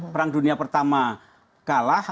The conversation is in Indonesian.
perang dunia pertama kalah